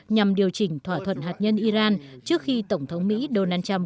nhằm điều chỉnh thỏa thuận hạt nhân iran trước khi tổng thống mỹ donald trump